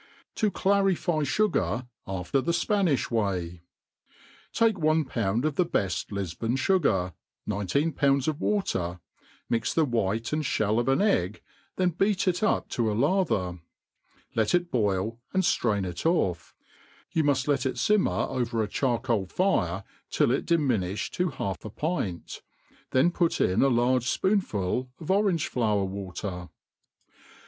,. To" clarify Sugar afiet th Spanijh Way." TAKE one pound of the beiliLifbon fugar, nineteen poinds ^ of water, miy the white and fliellof an egg, then beat it up to a lather 5 then let bojl, and ftrain it off: you muft let it fimmer over a charcoal fire till it diminifli to half a pint ; then put in a large fpoonful of orange flower* water.